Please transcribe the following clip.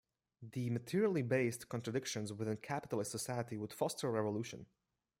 The materially-based contradictions within capitalist society would foster revolution.